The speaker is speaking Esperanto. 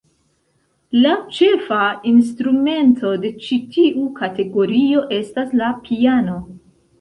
La ĉefa instrumento de ĉi tiu kategorio estas la piano.